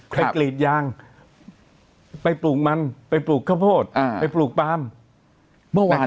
ไปกรีดยางไปปลูกมันไปปลูกข้าวโพดไปปลูกปลาม